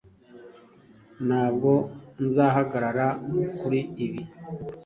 Ntabwo nzahagarara kuri ibi